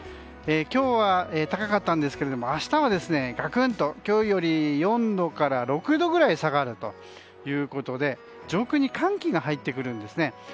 今日は高かったんですけれども明日はガクンと、今日より４度から６度ぐらい下がるということで上空に寒気が入ってくるんですね。